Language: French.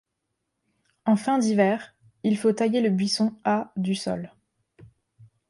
En fin d'hiver, il faut tailler le buisson à du sol.